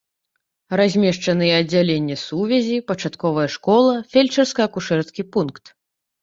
Размешчаныя аддзяленне сувязі, пачатковая школа, фельчарска-акушэрскі пункт.